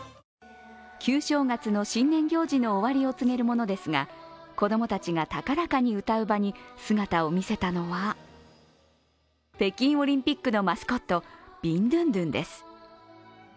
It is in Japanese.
旧正月の新年行事の終わりを告げるものですが、子供たちが高らかに歌う場に姿を見せたのは、北京オリンピックのマスコットビンドゥンドゥンです。